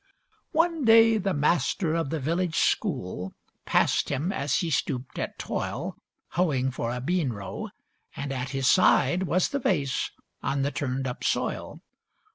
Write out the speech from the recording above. One day the master of the village school Passed him as he stooped at toil, Hoeing for a bean row, and at his side Was the vase, on the turned up soil.